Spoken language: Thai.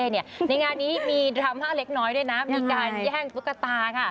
ในงานนี้มีดราม่าเล็กน้อยด้วยนะมีการแย่งตุ๊กตา